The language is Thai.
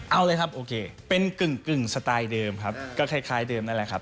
เอาเลยครับโอเคเป็นกึ่งสไตล์เดิมครับก็คล้ายเดิมนั่นแหละครับ